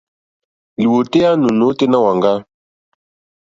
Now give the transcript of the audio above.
Lìwòtéyá nù nôténá wàŋgá.